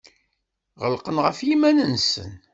Ɣelqen ɣef yiman-nsen.